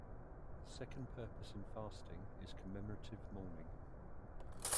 The second purpose in fasting is commemorative mourning.